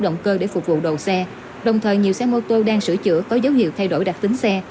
động cơ để phục vụ đầu xe đồng thời nhiều xe mô tô đang sửa chữa có dấu hiệu thay đổi đặc tính xe